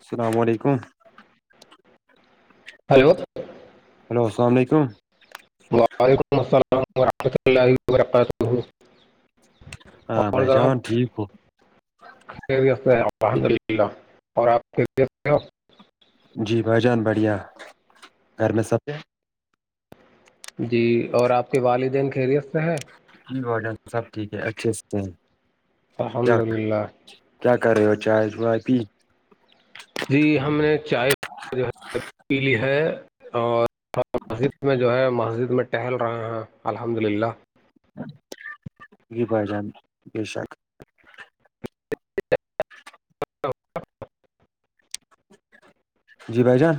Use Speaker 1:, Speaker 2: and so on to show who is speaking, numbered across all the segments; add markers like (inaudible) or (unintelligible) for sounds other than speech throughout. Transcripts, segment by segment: Speaker 1: السلام علیکم
Speaker 2: hello
Speaker 1: hello السلام علیکم
Speaker 2: وعلیکم السلام ورحمۃ اللہ وبرکاتہ
Speaker 1: ہاں
Speaker 2: اور
Speaker 1: بھائی
Speaker 2: جناب
Speaker 1: جان ٹھیک ہو
Speaker 2: خیریت سے ہیں الحمد للہ اور آپ خیریت سے ہو
Speaker 1: جی بھائی جان بڑھیا گھر میں سب
Speaker 2: جی اور آپ کے والدین خیریت سے ہیں
Speaker 1: سب ٹھیک ہے اچھے سے کیا
Speaker 2: الحمد للہ
Speaker 1: کیا کر رہے ہو چائے چائے پی
Speaker 2: جی ہم نے چائے جو ہے پی لی ہے اور مسجد میں جو ہے مسجد میں ٹہل رہے ہیں الحمد للہ
Speaker 1: پائے جان بی شک
Speaker 2: (unintelligible)
Speaker 1: جی بھائی جان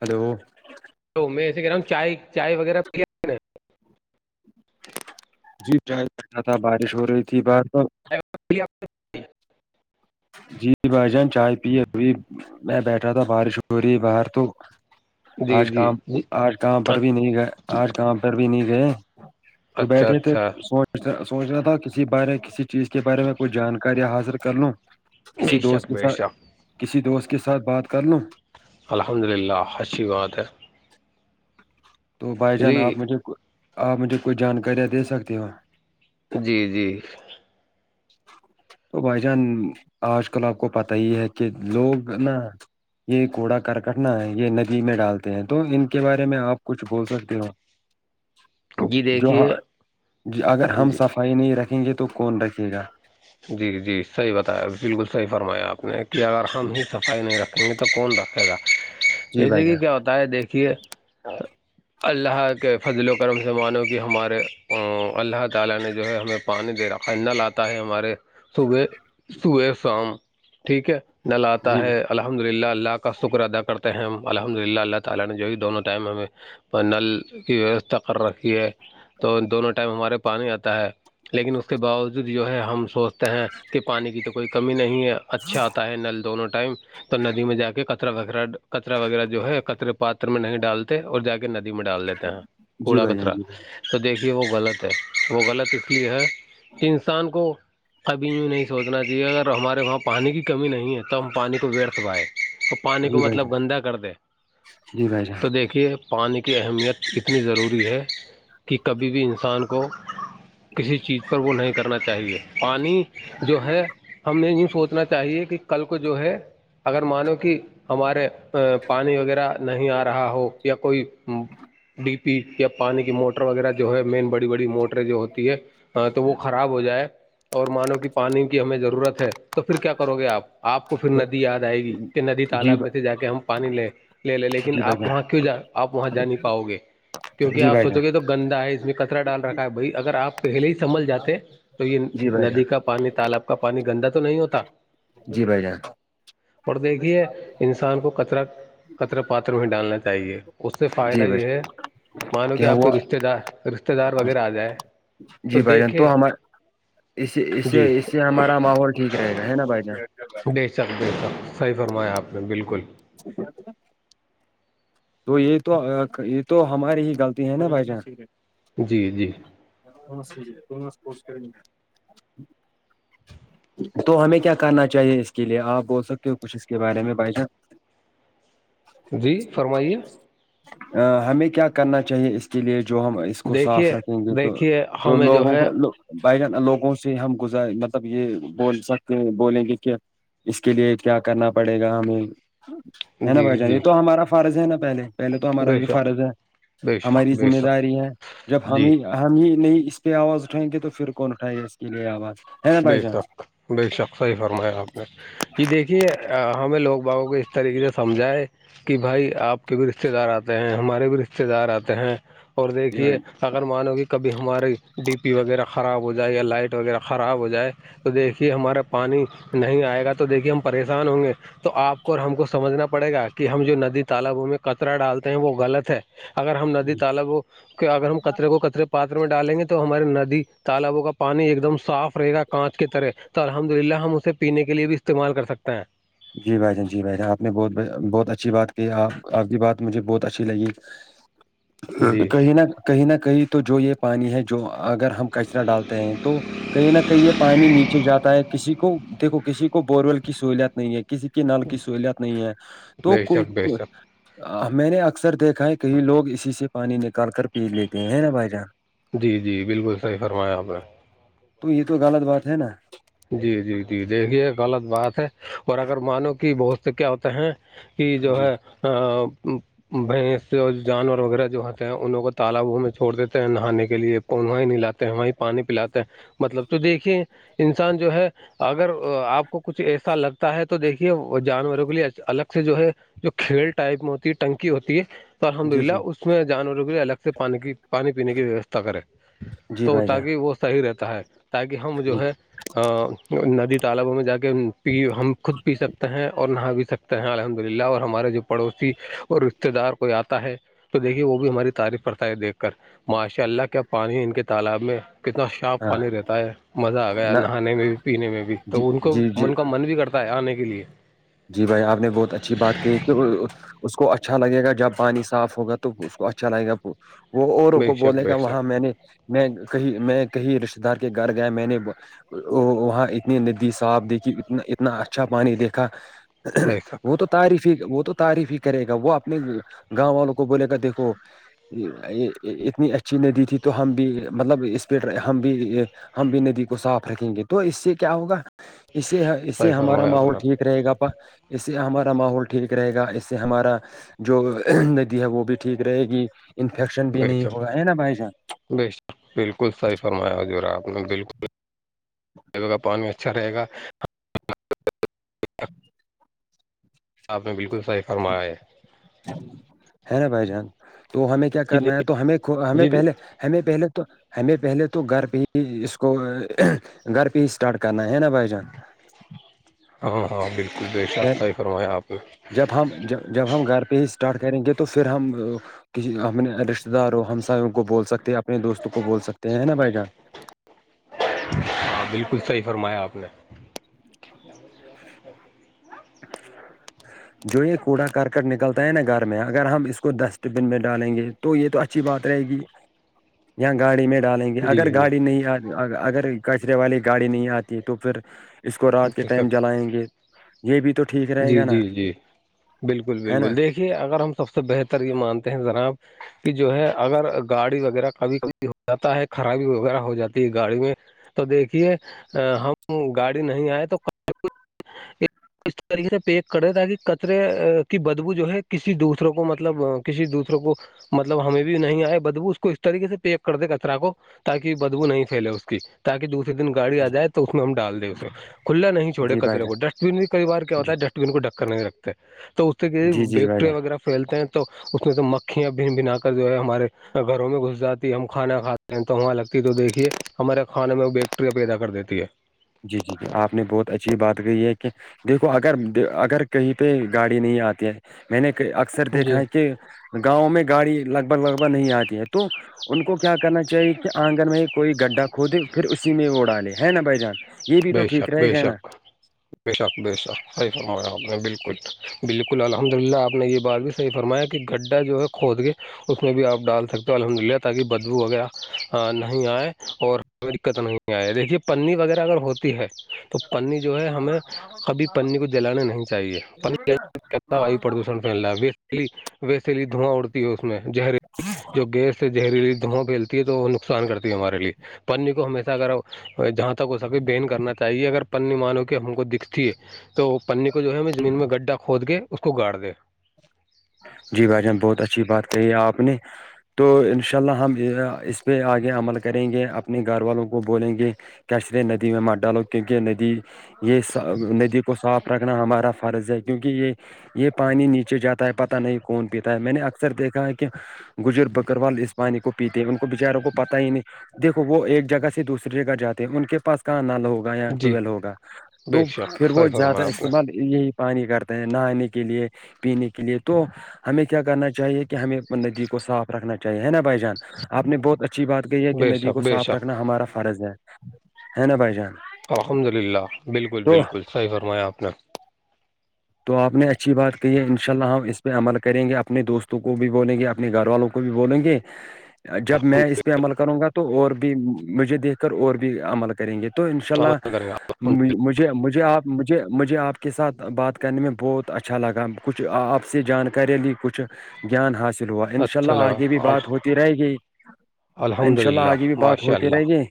Speaker 1: ہلو
Speaker 2: تو میں ایسے کہہ رہا ہوں چائے چائے وغیرہ پیا نا
Speaker 1: جی کیاائے کرا تھا بارش ہو رہی تھی باہر تو
Speaker 2: (unintelligible)
Speaker 1: جی بھائی جان چائے پیے ابھی میں بیٹھا تھا بارش ہو رہی باہر تو
Speaker 2: جی
Speaker 1: آج
Speaker 2: جی
Speaker 1: کام
Speaker 2: جی
Speaker 1: آج کہاں پر بھی
Speaker 2: اچ-
Speaker 1: نہیں گئے آج کہاں پر بھی نہیں گئے تو
Speaker 2: اچھا
Speaker 1: بیٹھے تھے
Speaker 2: اچھا
Speaker 1: سوچ سوچنا تھا کسی بارے کسی چیز کے بارے میں کوئی جانکاریں حاصل کر لوں کسی
Speaker 2: بے
Speaker 1: دوست
Speaker 2: شک
Speaker 1: کے
Speaker 2: بے
Speaker 1: ساتھ
Speaker 2: شک
Speaker 1: کسی دوست کے ساتھ بات کر لو
Speaker 2: الحمد للہ اچھی بات ہے
Speaker 1: تو بائی جان
Speaker 2: جی
Speaker 1: آپ مجھے آپ مجھے کوئی جانکاریاں دے سکتے ہو
Speaker 2: جی جی
Speaker 1: تو بھائی جان آج کل آپ کو پتا ہی ہے کہ لوگ نا یہ کوڑا کرکٹنا ہے یہ ندی میں ڈالتے ہیں تو ان کے بارے میں آپ کچھ بول سکتے ہو
Speaker 2: جی
Speaker 1: جو
Speaker 2: دیکھیے
Speaker 1: اگر ہم
Speaker 2: جی
Speaker 1: صفائی نہیں رکھیں گے تو کون رکھے گا
Speaker 2: جی جی صحیح بتایا بالکل صحیح فرمایا آپ نے کیاگار ہم ہی صفائی نہیں رکھیں گے تو کون رکھے گا
Speaker 1: جی
Speaker 2: جیسے
Speaker 1: بھائی
Speaker 2: کہ کیا
Speaker 1: جان
Speaker 2: ہوتا ہے دیکھیے اللہ کے فضل و کرم سے مانو کہ ہمارے اللہ تعالی نے جو ہے ہمیں پانی دے رہاا لاتا ہے ہمارے صبح صبح شام ٹھیک ہے نل آتا
Speaker 1: جی
Speaker 2: ہے الحمد للہ اللہ کا شکر ادا کرتے ہیں ہم الحمد پ نل کی ویوستا کر رکھی ہے تو دونوں ٹائم ہمارے پانی آتا ہے لیکن اس کے باوجود جو ہے ہم سوچتے ہیں کہ پانی کی تو کوئی کمی نہیں ہے اچھا آتا ہے نل دونوں ٹائم تو ندی میں جا کے کچرا وغیرہ کچرا وغیرہ جو ہے کچرے پات میں نہیں ڈال اور جا کے ندی میں ڈال دیتے ہیں
Speaker 1: جی
Speaker 2: کوڑا
Speaker 1: بھائی جان
Speaker 2: کترا
Speaker 1: جی بھائی
Speaker 2: تو دیکھیے وہ غلط ہے وہ غلط اس لیے ہے کہ انسان کو کبھیوں نہیں سوچنا چاہیے اگر ہمارے وہاں پانی کی کمی نہیں ہے تو ہم پانی کو بیرتھ پائےیں وہ پانی کو
Speaker 1: جی بھائی
Speaker 2: مطلب
Speaker 1: جان
Speaker 2: گندا کر دے
Speaker 1: جی بھائی جان
Speaker 2: تو دیکھیے پانی کی اہمیت اتنی ضروری ہے کہ کبھی بھی انسان کو کسی چیز پر وہ نہیں کرنا چاہیے پانی جو ہے ہمیں یہی سوچنا چاہیے کہ کل کو جو ہے اگر مانو کہ ہمارے پانی وغیرہ نہیں آ رہا ہو یا کوئی ڈی پی یا پانی کی موٹر وغیرہ جو ہے مین بڑی بڑی موٹریں جو ہوتی ہے تو وہ خراب ہو جائے اور مانو کہ پانی کی ہمیں ضرورت ہے تو پھر کیا کرو گے آپ آپ کو پھر
Speaker 1: تو
Speaker 2: ندی یاد آئے گی کہ ندی
Speaker 1: جی
Speaker 2: تالاب میں سے جا کے ہم پانی لیں لے لے لیکن
Speaker 1: جی بھائی
Speaker 2: آپ وہاں
Speaker 1: جان
Speaker 2: کیوں جا آپ وہاں جا نہیں پاؤ گے کیونکہ
Speaker 1: جی
Speaker 2: آپ
Speaker 1: بھائی جان
Speaker 2: سوچو گے تو گندا ہے اس میں کچرا ڈال رکھا ہے بھائی اگر آپ پہلے ہی سنبھل جاتے تو یہ
Speaker 1: جی بھائی جان
Speaker 2: ندی کا پانی تالاب کا پانی گندا تو نہیں ہوتا
Speaker 1: جی بھائی جان
Speaker 2: اور دیکھیے انسان کو کچرا کچرا پاتر میں ڈالنا چاہیے اس سے فائدہ
Speaker 1: جی بھائی
Speaker 2: یہ
Speaker 1: جان
Speaker 2: ہے مانو کہ
Speaker 1: کیا
Speaker 2: آپ کو
Speaker 1: ہوا
Speaker 2: رشتے دار رشتے دار وغیرہ آ جائے
Speaker 1: جی بھائی جان تو ہمار اس سے اس سے
Speaker 2: جی
Speaker 1: اس سے ہمارا ماحول ٹھیک رہے گا ہے نا بھائی جان
Speaker 2: بے شک بے شک صحیح فرمایا آپ نے بالکل
Speaker 1: ج تو یہ تو یہ تو ہماری ہی غلطی ہے نا بھائی جان
Speaker 2: جی جی
Speaker 1: ہپس کریں گے تو ہمیں کیا کرنا چاہیے اس کے لیے آپ بول سکتے ہو کچھ اس کے بارے میں بھائی جان
Speaker 2: ہ
Speaker 1: ا ہمیں کیا کرنا چاہیے اس کے لیے جو ہم اس کو صاف
Speaker 2: دیکھیے
Speaker 1: رکھیں گے تو
Speaker 2: دیکھیے
Speaker 1: تو
Speaker 2: ہمیں جو
Speaker 1: لوگوں
Speaker 2: ہے
Speaker 1: کوو بائڈن لوگوں سے ہم گزار مطلب یہ بول سکتے ہیں بولیں گے کہ اس کے لیے کیا کرنا پڑے گا ہمیں ہے نا
Speaker 2: جی
Speaker 1: بھائی جان یہ
Speaker 2: جی
Speaker 1: تو ہمارا فرض ہے نا پہلے پہلے تو ہمارا
Speaker 2: بے
Speaker 1: یہ
Speaker 2: شک
Speaker 1: فرض ہے
Speaker 2: بے شک
Speaker 1: ہماری
Speaker 2: بے
Speaker 1: ذمہ
Speaker 2: شک
Speaker 1: داری ہے جب
Speaker 2: جی
Speaker 1: ہمیں ہم یہ نہیں اس پہ آواز اٹھائیں گے تو پھر کون اٹھائےیں گا اس کے لیے آواز ہے نا
Speaker 2: بے
Speaker 1: بھائی جان
Speaker 2: شک بے شک صحیح فرمایا آپ نے ج دیکھیے ہمیں لوگ بابوں کو اس طریقے سے سمجھائے کہ بھائی آپ کے بھی رشتے دار آتے ہیں ہمارے بھی رشتے دار آتے ہیں اور
Speaker 1: جی
Speaker 2: دیکھیے
Speaker 1: بھائی
Speaker 2: اگر مانو کہ کبھی ہمارے ڈی پی وغیرہ خراب ہو جائے یا لائٹ وغیرہ خراب ہو جائے تو دیکھیے ہمارا پانی نہیں آئے گا تو دیکھیے ہم پریشان ہوں گے تو آپ کو اور ہم کو سمجھنا پڑے گا کہ ہم جو ندی تالابوں میں کطرا ڈالتے ہیں وہ غلط ہے اگر ہم ندی تالاب کے اگر ہم کطرے کو کطرے پات میں ڈالیں گے تو ہماراری ندی تالابوں کا پانی ایک دم صاف رہے گا کانچ کے طرح تو الحمد للہ ہم اسے پینے کے لیے بھی استعمال کر سکتے ہیں
Speaker 1: جی بھائی جان جی بھائی جان آپ نے بہت بہت اچھی بات کی آپ آپ کی بات مجھے بہت اچھی لگی
Speaker 2: (unintelligible) (inaudible) جی
Speaker 1: کہیں نہ کہیں نہ کہیں تو جو یہ پانی ہے جو اگر ہم کچرا ڈالتے ہیں تو کہیں نہ کہیں یہ پانی نیچے جاتا ہے کسی کو دیکھو کسی کو بورول سہولت نہیں ہے کسی کے نل کی سہولت نہیں ہے تو
Speaker 2: بے
Speaker 1: کوئی
Speaker 2: شک بے شک
Speaker 1: میں نے اکثر دیکھا ہے کئی لوگ اسی سے پانی نکال کر پی لیتے ہیں ہے نا بھائی جان
Speaker 2: جی جی بالکل صحیح فرمایا آپ نے
Speaker 1: تو یہ تو غلط بات ہے نا
Speaker 2: جی جی جی دیکھیے غلط بات ہے اور اگر مانو کہ بہت سے کیا ہوتے ہیں کہ جو
Speaker 1: جی
Speaker 2: ہے ا بھینس اور جانور وغیرہ جو ہوتے ہیں انہوں کو تالابو میں چھوڑ دیتے ہیں نہانے کے لیے کو وہیں نہیں لاتے ہیں وہیں پانی پلاتے ہیں مطلب تو دیکھیے انسان جو ہے اگر آپ کو کچھ ایسا لگتا ہے تو دیکھیے جانوروں کے لیے الگ سے جو ہے جو کھیل ٹائپ میں ہوتی ہے ٹنکی ہوتی ہے تو الحمد
Speaker 1: جی
Speaker 2: للہ
Speaker 1: جی
Speaker 2: اس میں جانوروں کے الگ سے پانی کی پانی پینے کی ویوستھا کریں
Speaker 1: جی
Speaker 2: تو
Speaker 1: بھائی جان
Speaker 2: تاکہ وہ صحیح رہتا ہے تاکہ ہم
Speaker 1: جی
Speaker 2: جو ہے ندی تالابوں میں جا کےی ہم خود پی سکتے ہیں اور نہا بھی سکتے ہیں الحمد للہ اور ہمارے جو پڑوسی اور رشتے دار کوئی آتا ہے تو دیکھیے وہ بھی ہماری تعریف کرتا ہے دیکھ کر ماشاء اللہ کیا پانی ان کے تالاب میں کتنا چاف
Speaker 1: ہاں
Speaker 2: پانی رہتا ہے مزہ آ گیا
Speaker 1: نہ
Speaker 2: نہانے میں بھی پینے میں بھی
Speaker 1: جی
Speaker 2: تو ان کو
Speaker 1: جی جی
Speaker 2: ان کا من بھی کرتا آنے کے لیے
Speaker 1: جی بھائی آپ نے بہت اچھی بات کہ اس کو اچھا لگے گا جب پانی صاف ہوگا تو اس کو اچھا لگےا وہ اوروں
Speaker 2: بے
Speaker 1: کو
Speaker 2: شک
Speaker 1: بولے
Speaker 2: بے
Speaker 1: گا وہاں
Speaker 2: شک
Speaker 1: میں نے میں کہیں میں کہیں رشتے دار کے گھر گیا میں نے ا وہاں اتنی ندی صاف دیکھی ا اتنا اچھا پانی دیکھا
Speaker 2: بے شک
Speaker 1: وہ تو تعریف ہی وہ تو تعریف ہی کرے گا وہ اپنے گاؤں والوں کو بولے گا دیکھو اتنی اچھی ندی تھی تو ہم بھی مطلب اس پ ہم بھی ہم بھی ندی کو صاف رکھیں گے تو اس سے کیا ہوگا اس سے اس سے
Speaker 2: صحیح
Speaker 1: ہمارا
Speaker 2: فرمایا آپ
Speaker 1: ماحول
Speaker 2: نے
Speaker 1: ٹھیک رہے گا اس سے ہمارا ماحول ٹھیک رہے گا اس سے ہمارا جو ندی ہے وہ بھی ٹھیک رہے گی انفیکشن بھی
Speaker 2: بے
Speaker 1: نہیں ہو
Speaker 2: شک
Speaker 1: رہا ہے نا بھائی جان
Speaker 2: بے بالکل صحیح فرمایا ہو ج رہا آپ نے بالکل جگہ پانی اچھا رہے گا آپ نے بالکل صحیح فرمایا ہے
Speaker 1: ہے نا بھائی جان تو ہمیں کیا
Speaker 2: جی
Speaker 1: کرنا ہے تو ہمیں ہمیں
Speaker 2: جی جی
Speaker 1: پہلے ہمیں پہلے تو ہمیں پہلے تو گھر پہ ہی اس کو گھر پہ ہی اسٹارٹ کرنا ہے نا بھائی جان
Speaker 2: ہاں ہاں بالکل بے شخہ ہی فرمایا آپ
Speaker 1: ہمم ج جب ہم گھر پہ ہی اسٹارٹ کریں گے تو پھر ہم کسی ہمنے رشتے داروں ہمساوں کو بول سکتے ہیں اپنے دوستوں کو بول سکتے ہیں نا بھائی جان
Speaker 2: ہاں بالکل صحی فرمایا آپ نے
Speaker 1: (inaudible)
Speaker 2: (inaudible)
Speaker 1: جو یہ کوڑا کرکٹ نکلتا ہے نا گھر میں اگر ہم اس کو ڈسٹ بن میں ڈالیں گے تو یہ تو اچھی بات رہے گی یا گاڑی میں ڈالیں گے
Speaker 2: جی
Speaker 1: اگر
Speaker 2: جی
Speaker 1: گاڑی نہیں اگر کچرے والی گاڑی نہیں آتی تو پھر اس کو رات کے
Speaker 2: بے
Speaker 1: ٹائم
Speaker 2: شک
Speaker 1: جلائیں گے یہ بھی تو ٹھیک رہے
Speaker 2: جی
Speaker 1: گا نا ہے نا
Speaker 2: یہ اگر ہم سب سے بہتر یہ مانتے ہیں جناب کہ جو ہے اگر گاڑی وغیرہ کبھی کبھی ہو جاتا ہے خرابی وغیرہ ہو جاتی ہے گاڑی میں تو دیکھیے ہم گاڑی نہیں آئے تو اس طریقے سے پیک کرے تاکہ کچرے کی بدبو جو ہے کسی دوسروں کو مطلب کسی دوسروں کو مطلب ہمیں بھی نہیں آئے بدبو اس کو اس طریقے سے پیک کر دے کچرا کو تاکی بدبو نہیں پھیلے اس کی تاکی دوسری دن گاڑی آ
Speaker 1: جی
Speaker 2: جائے تو اس میں ہم ڈال دیں اسے کھلا نہیں چھڑے
Speaker 1: جی بھائی
Speaker 2: کچرے
Speaker 1: جان
Speaker 2: کو ڈسٹ بن بھی کئی بار کیا ہوتا
Speaker 1: جی
Speaker 2: ہے ڈسٹ بن کو ڈھک کر نہیں رکھتے تو اس سے کہ
Speaker 1: جی جی بھائی جان
Speaker 2: بیکٹرییا وغیرہ پھیلتے ہیں تو اس میں تو مکھیاں بھن بھنا کر جو ہے ہمارے گھروں میں گھس جاتی ہے ہم کھانا کھاتے ہیں تو وہاں لگتی ہے تو دیکھیے ہمارے کھانے میں وہ بیکٹریاں پیدا کر دیتی ہے
Speaker 1: جی جی جی آپ نے بہت اچھی بات کہی ہے کہ دیکھو اگر اگر کہیں پہ گاڑی نہیں آتی ہے میں نے اکثر دیکھا
Speaker 2: جی
Speaker 1: ہے کہ گاؤں میں گاڑی لگ بھگ لگ بھگ نہیں آتی ہے تو ان کو کیا کرنا چاہیے کہ آنگن میں کوئی گڈھا کھودے پھر اسی میں وہ اسی میں ڈالے ہے نا بھآئی جان یہ بھی تو
Speaker 2: بیشک
Speaker 1: ٹھیک رہے گا
Speaker 2: بیشک
Speaker 1: نا
Speaker 2: بیشک بیشک صحی فرمایا آپ نے بالکل بالکل الحمد للہ آپ نے یہ بات بھی صحی فرمایا کہ گڈھا جو ہے خود کے اس میں بھی آپ ڈال سکتے ہو الحمد للہ تاکہ بدبو وغیرہ نہیں آئے اور کوئی دقت نہیں آیا دیکھیے پنی وغیرہ اگر ہوتی ہے تو پنی جو ہے ہمیں کبھی پنی کو جلانے نہیں چاہیے پنی سے وایو پردوشن (inaudible) ویسےلی دھواں اڑتی ہے اس میں جہریلی جو گیس سے زہریلی دھواں پھیلتی ہے تو نکسان کرتی ہمارے لیے پنی کو ہمیشہ اگر جہاں تک ہو سک کرنا چاہیے اگر پننی مانو کے ہم کو دکھتی ہے تو پنی کو جو ہے زمین میں گڈھا کھود کے اس کو گاڑ دے
Speaker 1: جی بھائی جان بہت اچھی بات کہی ہے آپ نے تو انشاء اللہ ہم اس پہ آگے عمل کریں گے اپنے گھر والوں کو بولیں گے کہستے ہیں ندی میں مر ڈالو کیونکہ ندی یہ ندی کو صاف رکھنا ہمارا فرض ہے کیوں کہ یہ یہ پانی نیچے جاتا ہے پتا نہیں کون پیتا ہے میں نے اکثر دیکھا ہے کہ بزرگ بکروال اس پانی کو پیتے ہیں ان کو بچاروں کو پتا ہی نہیں دیکھو وہ ایک جگہ سے دوسری جگہ جاتے ہیں ان کے پاس کہاں نال ہوگا یا
Speaker 2: جی
Speaker 1: ٹویل ہوگا
Speaker 2: بے
Speaker 1: تو
Speaker 2: شک
Speaker 1: پھر وہ
Speaker 2: صحیح
Speaker 1: زیادہ
Speaker 2: فرمایا آپ نے
Speaker 1: استعمال یہی پانی کرتے ہیں نہانے کے لیے پینے کے لیے تو ہمیں کیا کرنا چاہیے کہ ہمیں ندی کو صاف رکھنا چاہیے ہے نا بھائی جان آپ نے بہت اچھی بات کہی ہے کہ
Speaker 2: بے
Speaker 1: ندی
Speaker 2: شک
Speaker 1: کو
Speaker 2: بے
Speaker 1: صاف
Speaker 2: شک
Speaker 1: رکھنا ہمارا فرض ہے ہے نا بھائی جان
Speaker 2: الحمد للہ بالکل
Speaker 1: تو
Speaker 2: بالکل صحی فرمایا آپ نے
Speaker 1: تو آپ نے اچھی بات کہی ہے انشاء اللہ ہم اس پہ عمل کریں گے اپنے دوستوں کو بھی بولیں گے اپنے گھر والوں کو بھی بولیں گے
Speaker 2: (inaudible)
Speaker 1: جب میں اس پہ عمل کروں گا تو اور بھی مجھے دیکھ کر اور بھی عمل کریں گے تو انشاء
Speaker 2: عمل کریں
Speaker 1: اللہ
Speaker 2: گے
Speaker 1: مجھے مجھے آپ مجھے مجھے آپ کے ساتھ بات کرنے میں بہت اچھا لگا کچھ آپ سے جانکارییاں لی کچھ گیان حاصل ہوا انشاء
Speaker 2: اچھا
Speaker 1: اللہ آگے بھی
Speaker 2: لگا
Speaker 1: بات ہوتی رہ گئی
Speaker 2: الحمد
Speaker 1: انشاء اللہ
Speaker 2: للہ
Speaker 1: آگے بھی بات
Speaker 2: ماشاء
Speaker 1: ہوتی رہ
Speaker 2: اللہ
Speaker 1: گی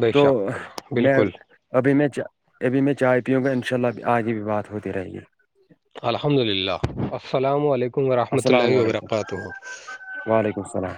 Speaker 2: بے
Speaker 1: تو
Speaker 2: شک
Speaker 1: میں
Speaker 2: بالکل
Speaker 1: ابھی میں چا ابھی میں چائے پیوں گا ان شاء اللہ آگے بھی بات ہوتی رہے گی
Speaker 2: الحمد للہ السلام علیکم وورحمۃ
Speaker 1: السلام
Speaker 2: اللہ
Speaker 1: علیکم
Speaker 2: وبرکاتہ
Speaker 1: وعلیکم السلام